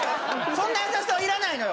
そんな優しさは要らないのよ